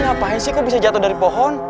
ngapain sih kok bisa jatuh dari pohon